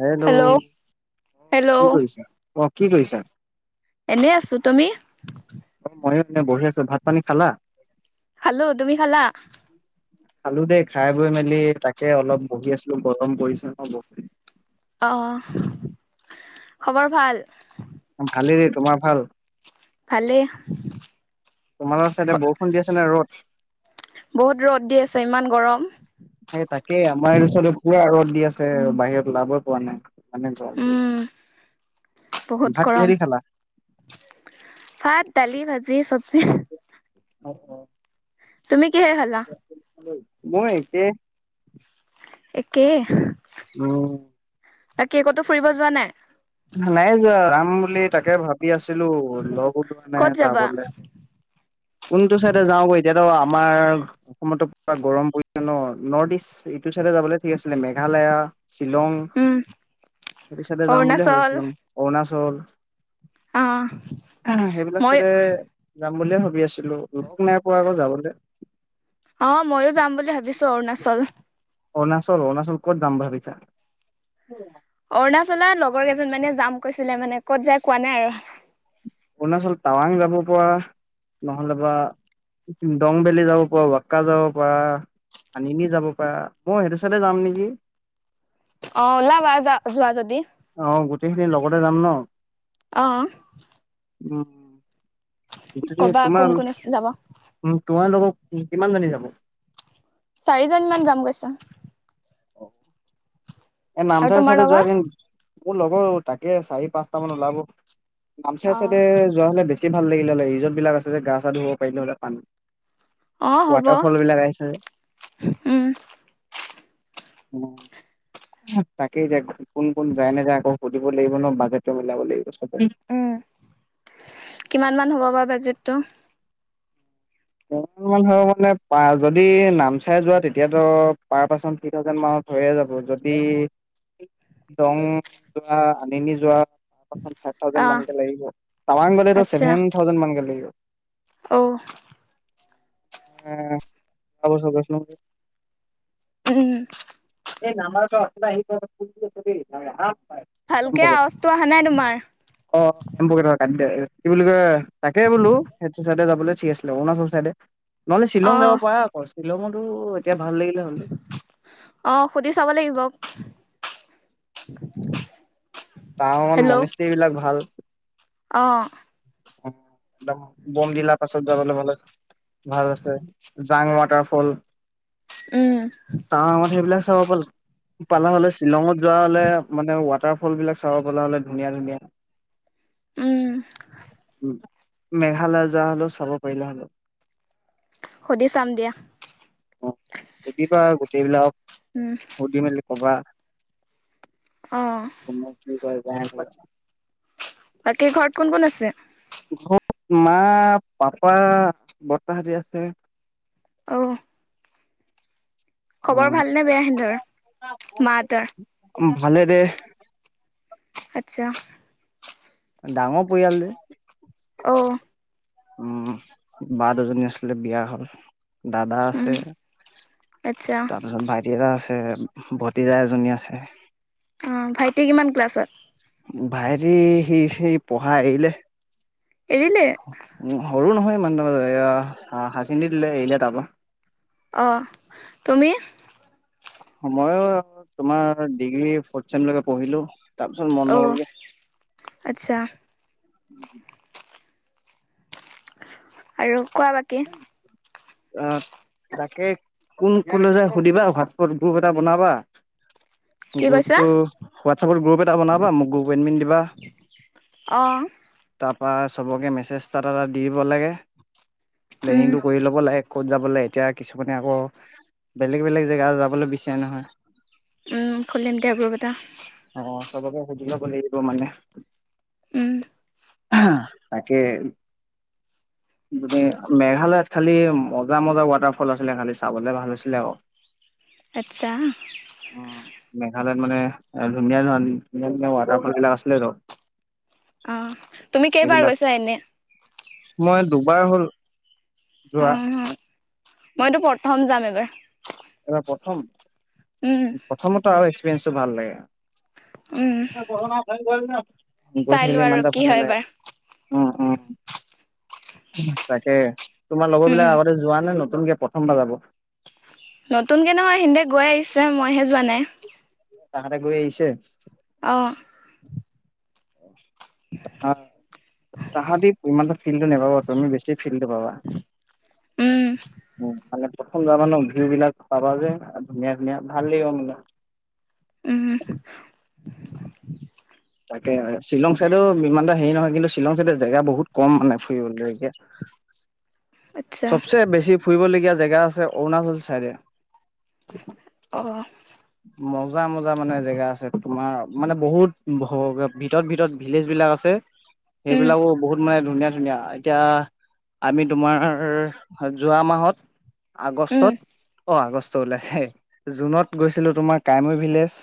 Hello hello hello কি কৰিছা অ কি কৰিছা? এনে আছো তুমি মই এনে বহি আছো ভাত পানী খালা খালো তুমি খালা খালো দেই খাই বৈ মেলি তাকে অলপ বহি আছিলো গৰম পৰিছে ন বৰকে অহ খবৰ ভাল অ ভালেই তোমাৰ ভাল ভালেই তোমালোকৰ চাইডে বৰষুণ দি আছে নে ৰ'দ বহুত ৰ'দ দি আছে ইমান গৰম সেই তাকে আমাৰ এইটো চাইডে পুৰা ৰদ দিয়া ফে বাহিৰত ওলাবই পৰা নাই ইমানে গৰম উম পৰিছে বহুত ভাত কিহেদি গৰম খালা ভাত দালি ভাজি চব চি অ অ তুমি কিহে খালা মই একে একে উম তাকে কতো ফুৰিব যোৱা নাই নাই যোৱা যাম বুলি তাকে ভাবি আছিলো লগ ওলোৱা নাই ক'ত যাবা যাবলে কোনটো চাইডে যাওঁ ক এতিয়াতো আমাৰ অসমতো পুৰা গৰম পৰিছে ন নৰ্থ ইষ্ট এইটো চাইডে যাবলে ঠিক আছিলে মেঘালয়া শ্বিলং উম সেইটো চাইডে যাম বুলিয়ে অৰুণাচল ভাবিছিলোং অৰুণাচল অ এহে সেইবিলাক মই চাইডে যাম বুলিয়ে ভাবি আছিলো লগ নাই পোৱা আকৌ যাবলৈ অ ময়ো যাম বুলি ভাবিছো অৰুণাচল অৰুণাচল অৰুণাচল ক'ত যাম ভাবিছা? অৰুণাচলৰ লগৰ কেইজন মানে যাম কৈছিলে মানে ক'ত যাই কোৱা নাই আৰু। অৰুণাচল টাৱাং যাব পৰা নহ'লে বা দংবেলি যাব পাৰ বাক্কা যাব পাৰা আনিনি যাব পাৰা মই সেইটো চালে যাম নেকি অ ওলাবা যোৱা যদি অ গোটেইখিনি লগতে যাম ন? ! অ। [unintelligible] উ ক'বা কোন কোন যাব কিমানজনী যাব? চাৰিজন মান যাম কৈছে। আৰু নামচাই তোমাৰ চাইদে লগৰ যোৱাৰ মোৰ লগৰ তাকে চাৰি পাঁচটা মান ওলাব নামচাই অ', চাইডে যোৱা হলে বেছি বেছি ভাল লাগিলে হলে ৰেচৰ্তবিলাক আছে যে গা চা ধুব পাৰিলো হলে পানীত। অ', হ'ব ৱাটাৰফল বিলাক আহিছে। অ তাকেই এতিয়া কোন কোন যায় নাযায় আকৌ সুধিব লাগিব ন বাজেটো মিলাব লাগিব চব। উম কিমান মান হ'ব বা বাজেটটো? নহয় মানে যদি নামচাই যোৱা তেতিয়াতো পাৰ পাৰ্চন থ্ৰী থাউজেণ্ড মানত হৈয়ে যাব যদি দং যোৱা আনিনি যোৱা ফাইভ থাউেণ্ড মান অ', লাগিব টাৱাং গলেটো আচ্ছা ছেভেন থাউজেণ্ড মানকে লাগিব। অ', [unintelligible] উম এই নাম্বাৰৰ পৰা উঠনি পৰা আমাৰ আহা অ এম ভালকে আৱাজটো অহা নাই তোমাৰ প ক অহ টানি দে কি বুলি কয় তাকে বোলো স চাইডে যাবলৈ চিক আছিলে অৰুণাচল চাইডে। নহ'লে শ্বিলং যাব অ', পাৰা আকৌ শ্বিলঙতো এতিয়া ভাল লাগিলে হল। অ সুধি চাব লাগিব। তাৰ মনিস্ৰীবিলাক ভাল। অহ একদম বমদিলা পাছত যাবলৈ হ'লে ভাল ৰাস্তাই জাং ৱাটাৰ ফল উম, টাৱৰঙত সেইবিলাক চাব পালো। পালাং হ'লে শ্বিলঙত যোৱা হ'লে মানে ৱাটাৰ ফল বিলাক চাব পালো হ'লে ধুনীয়া ধুনীয়া। [inaudible] উম। মেঘালয় যোৱা হ'লেও চাব পাৰিলে হ'লেও। সুধি চাম দিয়া। সুধিবা গোটেইবিলাক উম, সুধি মেলি, ক'বা অ', কোনে কি কয় বা? বাকী ঘৰত কোন কোন আছে? মা পাপা বৰ্তাহতি আছে। আহ খবৰ উম, ভালনে বেয়া হেতৰ মাহঁতৰ। ভালেৰে। আচ্ছা। ডাঙৰ পৰিয়াল যে। আহ। উম, বা দুজনী আছিলে বিয়া হ'ল। দাদা উম, আছে, আচ্ছা তাৰপিছত ভাইটিৰ এটা আছে। হে ভতিজা এজনী আছে। অ' ভাইটিৰ কিমান ক্লাছত। ভাইটিৰ সি সি পঢ়া এৰিলে। এৰিলে উম, সৰু নহয় ইমান ত হাই ছেকেণ্ডাৰি দিলে এৰিলে তাৰপৰা। আহ, তুমি। ময়ো তোমাৰ ডিগ্ৰী ফৰঠচেম লৈকে পঢ়িলো। তাৰপিছত মন অ', নগলগে। আচ্ছা আৰু কোৱা বাকী। আহ, তাকে কোন ক'লে যাই সুধিবা হোৱাটছপত গ্ৰুপ এটা বনাবা। কি কৈছা গ্ৰুপটো হোৱাটছপৰ গ্ৰুপ এটা বনাবা এডমিট দিবা। আহ। ত' চবকে মেচজ এটা এটা দি দিব লাগে, উম, প্লেনিংটো কৰি ল'ব লাগে ক'ত যাম। লে এতিয়া কিছুমানে আকৌ বেলেগ বেলেগ জেগা যাবলৈ বিচাৰে নহয়। উম, খুলিম দে গ্ৰুপ এটা। চবেকে সুধি ল'ব লাগিব মানে। উম। তাকে গোটে মেঘালয়ত খালি মজা মজা ৱাটাৰফল আছিলে, খালি চাবলে ভাল হৈছিলে আক। আচ্ছা। তাত মানে ধুনীয়া ধৰ ধুনীয়া ধুনীয়া ৱাটাৰফল বিলাক আছিলে টো। আহ, তুমি কেইবাৰ গৈছা এনে। মই দুবাৰ হ'ল। যোৱা অ' অ' মইতো প্ৰথম যাম এবাৰ। এবাৰ প্ৰথম উম, প্ৰথমত আৰু এক্সপিৰিয়েঞ্চটো ভাল উম, লাগে। [unintelligible] চাই গৈছিলো লোৱা আৰু ইমান এটা কি ভাল হয় এবাৰ নালাগে। উম, উম। তাকে তোমাৰ লগৰবিলাক উম, আগতে যোৱা নে নতুনকে প্ৰথমবাৰ যাব। নতুনকে নহয় সিহঁতে গৈ আহিছে মইহে যোৱা নাই। তাহতে গৈ আহিছে। আহ। তাহা তাহাঁতি ইমান ফিল্টো নাপাবা তুমি বেছি ফিল্ডটো পাবা উম, প্ৰথম যাবান ন ভিউ বিলাক পাবা যে ধুনীয়া ধুনীয়া ভাল লাগিব মানে উম তাকে শ্বিলং চাইডো ইমান এটা হেৰি নহয় কিন্তু শ্বিলং চাইডৰ জেগা বহুত কম মানে ফুৰিবলৈ কয়া আচ্ছা চবচে বেছি ফুৰিবলগীয়া জেগা আছে অৰুণাচল চাইডে আহ মজা মজা মানে জেগা আছে তোমাৰ মানে বহুত ভিতৰত ভিতৰত ভিলেজ বিলাক আছে উম, সেইবিলাকো বহুত মানে ধুনীয়া ধুনীয়া এতিয়া আমি তোমাৰ যোৱা মাহত উম, আগষ্টত অ' আগষ্ট ওলাইছে জুনত গৈছিলো, তোমাৰ কাইমৈ ভিলেজ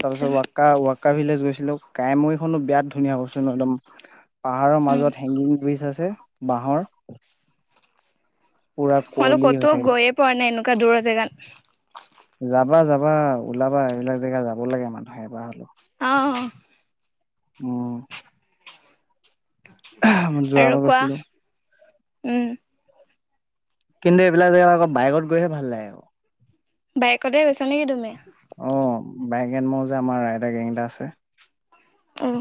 আচ্ছা তাৰপিছত ৱাক্ ৱাক্কা ভিলেজ গৈছিলো কাইমখনো বিৰাট ধুনীয়া কৈচোন একদম। পাহাৰৰ উম, মাজত হেংগিং ব্ৰীজ আছে বাঁহৰ। পুৰা মইানো কুঁৱলী হৈ ক'তো থাকে গৈয়ে পোৱা নাই এনেকুৱা দূৰৰ জেগাত। যাবা যাবা ওলাবা এইবিলাক জেগা যাব লাগে মানুহে এবাৰ হ'লেও। আহ। ম মই আৰু যোৱাবা কোৱা গৈছিলো উম কিন্তু এইবিলাক জেগা আকৌ বাইকত গৈহে ভাল লাগে আকৌ বাইকতে গৈছা নেকি তুমি? বাইয়েক এন [unintelligible] আমাৰ ৰাইদাৰ গেং এটা আছে। অৱ,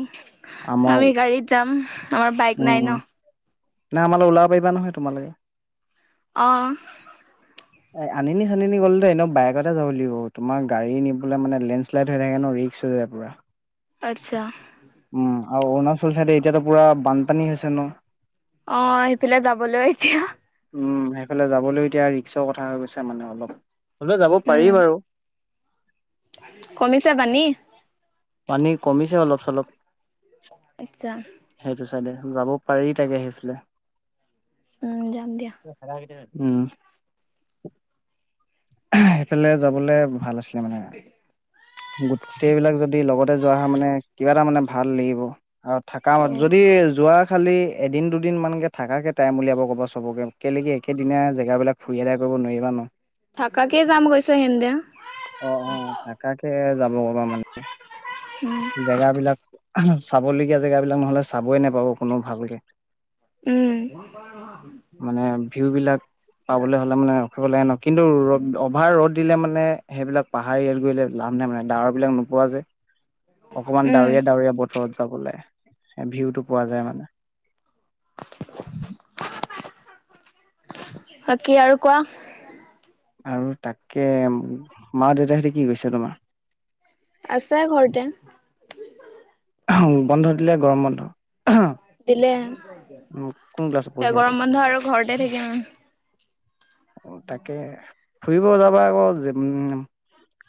আমাৰ আমি গাড়ীত যাম আমাৰ বাইক নাই উম ন। নাই আমাৰ ওলাবি বা নহয় তোমালোকে! অৱ। এ আনি চানিনি গ'ল দে এনে বাইকতে যাব লাগিব তুমাৰ গাড়ী নিবলে মানে লেঞ্চলাইড হৈ থাকে ন। পিছৰে পৰা। আচ্ছা। উম আৰু অৰুণাচল চাইডে এতিয়াতো পুৰা বানপানী হৈছে ন। অৱ সেইফালে যাবলৈ এতিয়া। উম সেইফালে যাবলৈ এতিয়া ৰিক্সৰ কথা হৈ গৈছে মানে অলপ, হ'লেও যাব পাৰি উম বাৰু। কমিছে পানি! পানী কমিছে অলপ চলপ। আচ্ছা। সেইটো চাইডে, যাব পাৰি তাকে সেইফালে। উম যাম দিয়া। উম, সেইফালে যাবলে ভাল আছিলে মানে। গোটেইবিলাক যদি লগতে যোৱা হয় মানে কিবা এটা মানে ভাল লাগিব আৰু থাকা অ যদি যোৱা খালি এদিন দুদিনমানকে থাকাকে টাইম উলিয়াব ক'ব চবকে কেলে কি একেদিনাই জেগাবিলাক ফুৰি [unintelligible] অ নোৱাৰিবা ন, থাকাকে যাম কৈছে সেন্দে অৱ অৱ থাকাকে যাব কবা মানে, উম জেগা বিলাক চাবলগীয়া জেগাবিলাক নহ'লে চাবই নোপাব কোনো ভালকে। উম মানে ভিউ বিলাক পাবলৈ হ'লে মানে ৰখিব লাগে নহ কিন্তু ৰ'দ অভাৰ ৰ'দ দিলে মানে সেইবিলাক পাহাৰ ইয়াল কৰিলে লা লাভ নাই মানে ডাৱৰ বিলাক নো পোৱা যে অকমান উম ডাৱৰীয়া ডাৱৰীয়া বতৰত যাব লে ভিউটো পোৱা যায় মানে বাকী আৰু কোৱা আৰু তাকে মা দেউতাহিতে কি কৈছে তোমাৰ আছে ঘৰতে বন্ধ দিলে গৰম বন্ধ দিলে কোন ক্লাছত এতিয়া পঢ়ি আছা? গৰম বন্ধ আৰু ঘৰতে থাকিম তাকে ফুৰিব যাবা আকৌ উম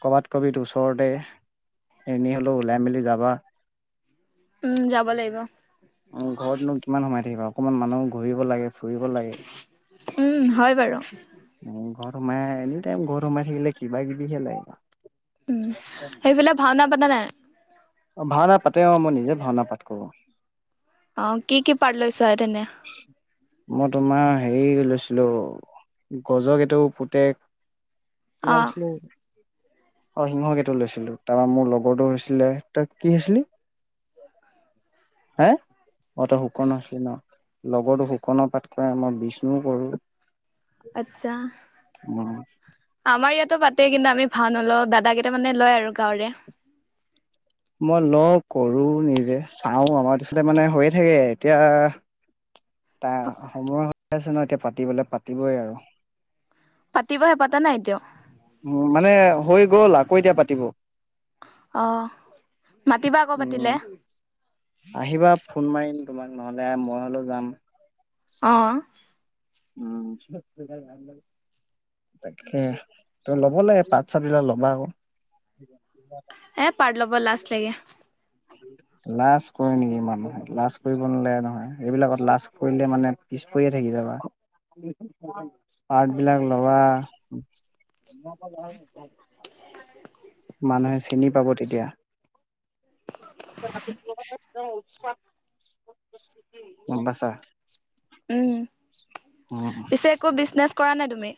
কৰ'বাত কবিত ওচৰতে এনেই হলেও ওলাই মেলি যাবা উম যাব লাগিব উম ঘৰতনো কিমান সোমায় থাকিবা অকমান মানুহ ঘূৰিব লাগে ফুৰিব লাগে। উম হয় বাৰু উম, ঘৰত সোমাই এনি টাইম ঘৰত সোমাই থাকিলে কিবা কিবিহে লাগিব উম সেইফালে ভাওনা পাতা নাই অ ভাওনা পাতে অ মই নিজে ভাওনা পাঠ কৰো অ কি কি পাৰ লৈছ এতেনে মই তোমাৰ হেৰি লৈ ছিলো গজক এইটো পুতেক কি অ নাম আছিলে অ সিংহকেইটো লৈছিলো তাপা মোৰ লগৰটো হৈছিলে তই কি হৈছিলি হে অ তই শুৰ্কন হৈছিলি ন লগৰো শুকণ পাঠ কৰে মই বিষ্ণু কৰো। আত্ছা অ আমাৰ ইয়াত টো পাতে কিন্তু আমি ভাও নলও দাদা কেইটা মানে লয় আৰু গাঁৱৰে। মই ল কৰো নিজে চাও আমাৰ পিছতে মানে হৈয়ে থাকে এতিয়া ত সময় হৈ আছে ন এতিয়া পাতিবলে পাতিবই আৰু। পাতিবহে পাতা নাই এতিয়াও। উ মানে হৈ গল আকৌ এতিয়া পাতিব। অহ মাতিবা আকৌ উম পাতিলে। আহিবা ফোন মাৰিম তোমাক নহলে মই হলেও যাম। অহ। উম তাকে ত ল'ব লাগে পাত চাতবিলাক ল'বা আকৌ। এ পাৰট ল'ব লাষ্ট লাগে। লাজ কৰে নেকি মানুহে লাজ কৰিব নালাগে নহয় এইবিলাকত লাজ কৰিলে মানে পিছ পৰিয়ে থাকি যাবা, পাত বিলাক লবা। মানুহে চিনি পাব তেতিয়া। [unintelligible] গম পাইছা? উম উম পিছে একো বিজনেচ কৰা নাই তুমি?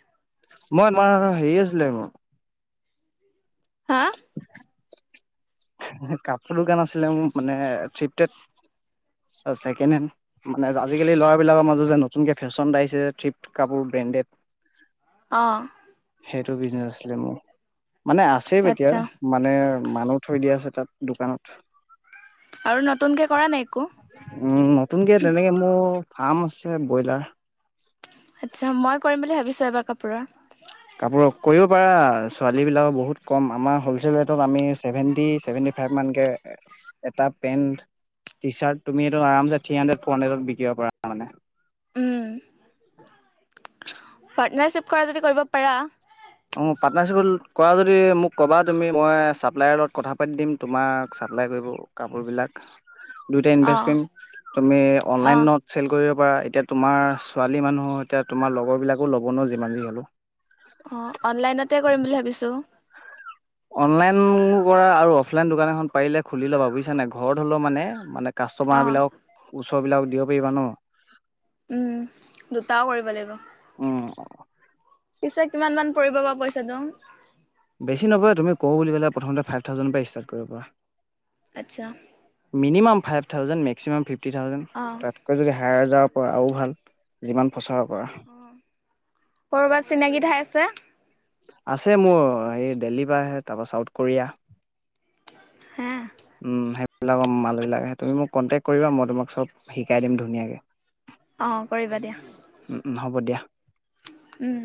মই মই হেৰি আছিলে মোৰ। হা কাপোৰ দোকান আছিলে মোৰ মানে [unintelligible] ছেকেণ্ড হেণ্ড মানে আজিকালি ল'ৰাবলাকৰ মাজত যে নতুনকে ফেশ্বনত আহিছে [unintelligible] কাপোৰ ব্ৰেণ্ডেড অঁ। সেইটো বিজনেচ আছিলে মোৰ মানে। আছে এতিয়া আচ্ছা মানে মানুহ থৈ দিয়া আছে তাত দোকানত। আৰু নতুনকে কৰা নাই একো উম নতুনকে তেনেকে মোৰ। ফাৰ্ম আছে ব্ৰইলাৰ। আচ্ছা মই কৰিম বুলি ভাবিছো এবাৰ কাপোৰৰ। ছোৱালীবিলাকৰ বহুত কম আমাৰ হ'লচেল ৰেটত আমি চেভেণ্টি চেভেণ্টি ফাইভমানানকৈ এটা। পেণ্ট টি চাৰ্ট তুমি এইটো আম থ্ৰী হাড্ৰেড ফ'ৰ হাণ্ড্ৰেডত বিকিব পাৰা মানে। উম পাৰ্টনাৰশ্বিপ কৰা যদি কৰিব পাৰা। অ পাৰ্টনাৰশ্বিপত কৰা যদি মোক ক'বা তুমি মই চাপ্লায়াৰ লগত কথা পাতি দিম তোমাক। এপ্লাই কৰিব কাপোৰবিলাক দুইটাই অ ইনভেষ্ট কৰিম তুমি অ অনলাইনত চেল কৰি। পৰা এতিয়া তোমাৰ ছোৱালী মানুহ এতিয়া তোমাৰ লগৰ বিলাকো ল'ব নোৱাৰ যিমান যি হলো। অ অনলাইনতে কৰিম বুলি ভাবিছো। অনলাইন কৰা আৰু অফলাইন দোকান এখন পাৰিলে খুলি ল'বা বুজিছা নে ঘৰত হলেও মানে মানে। অ কাষ্টমাৰ বিলাকক ওচৰ বিলাকক দিব পাৰিবা ন? উম, দুটাও কৰিব লাগিব। উম, পিছে কিমান মান পৰিব বা পইচাটো? বেছি নপৰে তুমি কওঁ বুলি ক'লে প্ৰথমতে ফাইভ থাউজেণ্ডৰ পৰা ষ্টাৰ্ট কৰিব পাৰা। আচ্ছা। Minimum five thousand maximum fifty thousand অ তাতকৈ যদি হায়াৰ যাৰ পৰা আৰু ভাল যিমান। ফচাব পাৰা অ কৰবাত চিনাকি ঠাই আছে। আছে মোৰ এই দেলহীৰ পৰা আহে তাৰপা চাউথ কোৰিয়া। হা উম সেই। এইবিলাকৰ মালবিলাকে তুমি মোক কণ্টেক্ট কৰিবা, মই তোমাক চব শিকাই দিম ধুনীয়াকে। অ', কৰিবা দিয়া। হ'ব দিয়া উম,